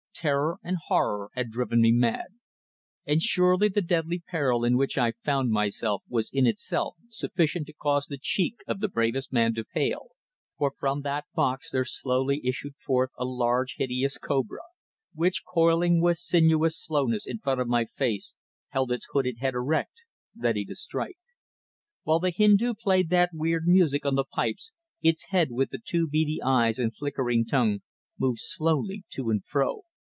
Terror and horror had driven me mad. And surely the deadly peril in which I found myself was in itself sufficient to cause the cheek of the bravest man to pale, for from that box there slowly issued forth a large, hideous cobra, which, coiling with sinuous slowness in front of my face held its hooded head erect, ready to strike. While the Hindu played that weird music on the pipes its head with the two beady eyes and flickering tongue, moved slowly to and fro.